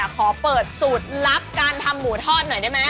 ขอเปิดสูตรลับการทำหมูทอดหน่อยได้ไหม